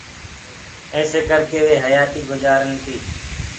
ايسي ڪر ڪي وي حيآتي گُجارن۔